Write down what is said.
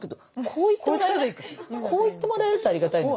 こういってもらえるとありがたいのよ。